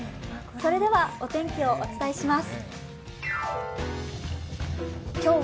それではお天気をお伝えします。